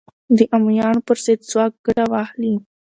د امویانو پر ضد ځواک ګټه واخلي